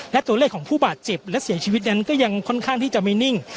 และตัวเลขของผู้บาดเจ็บและเสียชีวิตนั้นก็ยังค่อนข้างที่จะไม่นิ่ง